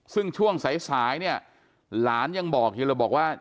ซึ่งช่วงสายเนี่ยหลานยังบอกอยู่เลยบอกว่า